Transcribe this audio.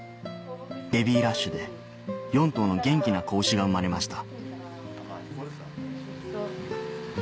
ベビーラッシュで４頭の元気な子牛が生まれました